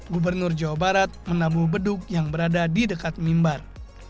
gubernur jawa barat menabuh beduk yang berada di dekat mimbar